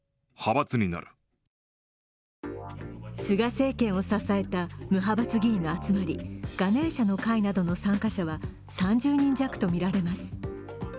菅政権を支えた無派閥議員の集まり、ガネーシャの会などの参加者は３０人弱とみられます。